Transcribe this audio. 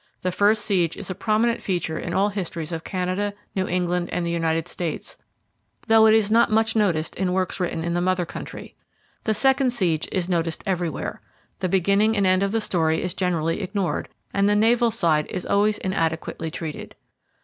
The first siege is a prominent feature in all histories of Canada, New England, and the United States, though it is not much noticed in works written in the mother country. The second siege is noticed everywhere. The beginning and end of the story is generally ignored, and the naval side is always inadequately treated.